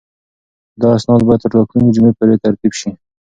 دا اسناد باید تر راتلونکې جمعې پورې ترتیب شي.